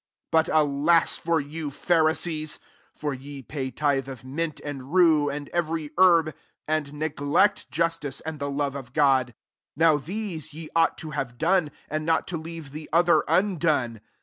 42 ^< But alas for you, Phari^ sees ! for ye pay tithe of mint and rue and every herb, and neglect justice and the love of God : now these ye ought to have done, and not to leave the other undone.